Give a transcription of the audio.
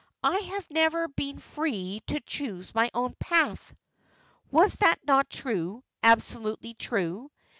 "I have never been free to choose my own path." Was that not true, absolutely true?